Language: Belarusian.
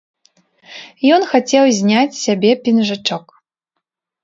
Ён хацеў зняць з сябе пінжачок.